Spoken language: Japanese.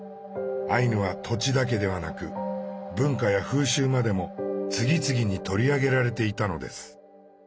アイヌは土地だけではなく文化や風習までも次々に取り上げられていたのです。